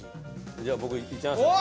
じゃあ僕いっちゃいますね。